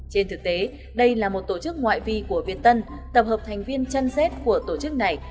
trên thực tế đây là một tổ chức ngoại vi của việt tân tập hợp thành viên chân xét của tổ chức này